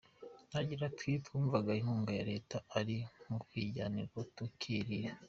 Agira ati “Twumvaga inkunga iya Leta ari ukwijyanira tukirira.